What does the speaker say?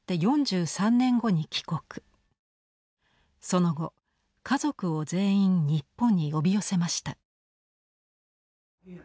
その後家族を全員日本に呼び寄せました。